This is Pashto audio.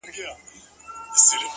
• اشنا مي پاته په وطن سو,